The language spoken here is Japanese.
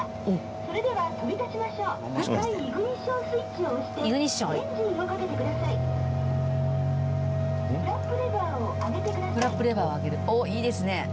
おっいいですね。